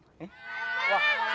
wah susah itu